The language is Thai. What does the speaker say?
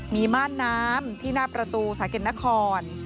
มีม้านน้ำที่หน้าประตูของสาทเกลิ่นนาคร